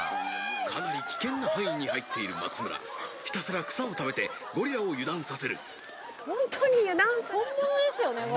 かなり危険な範囲に入っている松村ひたすら草を食べてゴリラを油断させる本物ですよね